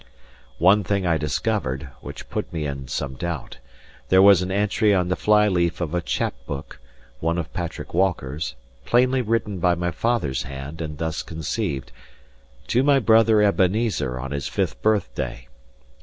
One thing I discovered, which put me in some doubt. This was an entry on the fly leaf of a chap book (one of Patrick Walker's) plainly written by my father's hand and thus conceived: "To my brother Ebenezer on his fifth birthday."